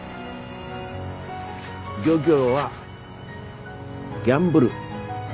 漁業はギャンブル。